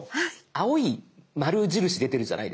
青い丸印出てるじゃないですか。